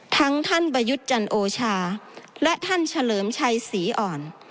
ท่านประยุทธ์จันโอชาและท่านเฉลิมชัยศรีอ่อน